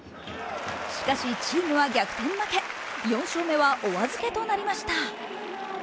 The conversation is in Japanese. しかしチームは逆転負け、４勝目はお預けとなりました。